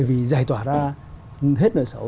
thì giải tỏa ra hết nợ sầu